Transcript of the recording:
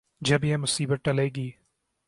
جب یہ مصیبت ٹلے گی۔